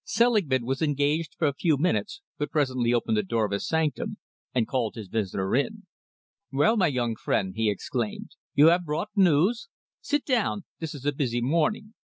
Selingman was engaged for a few minutes but presently opened the door of his sanctum and called his visitor in. "Well, my young friend," he exclaimed, "you have brought news? Sit down. This is a busy morning.